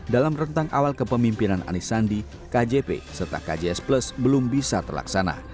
dalam rentang awal kepemimpinan anies sandi kjp serta kjs plus belum bisa terlaksana